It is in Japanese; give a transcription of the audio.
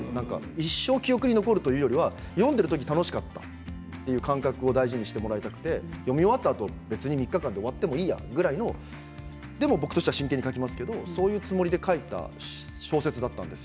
一生記憶に残るというよりは読んでるだけで楽しかったという感覚を大事にしてもらいたくて読み終わったあと別に３日間で終わっていいやというぐらいのでも僕としては真剣に書きますけどそういうつもりで書いた小説だったんです。